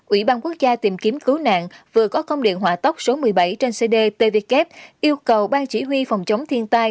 ủy ban quốc gia tìm kiếm cứu nạn vừa có công điện hỏa tốc số một mươi bảy trên cdk yêu cầu ban chỉ huy phòng chống thiên tai